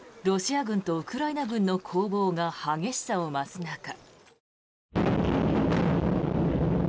ロシア軍とウクライナ軍の攻防が激しさを増す中。